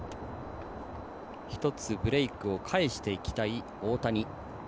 １つ、ブレークを返していきたい大谷。